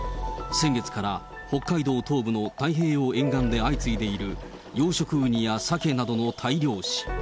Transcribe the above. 先月から北海道東部の太平洋沿岸で相次いでいる、養殖ウニやサケなどの大量死。